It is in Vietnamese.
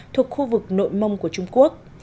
thuộc khu vực nội mông của trung quốc